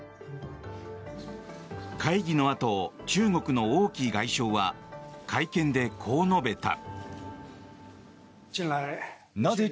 会議のあと、中国の王毅外相は会見でこう述べた。